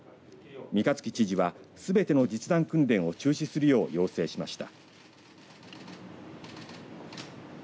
三日月知事はすべての実弾訓練を中止するよう要請しました。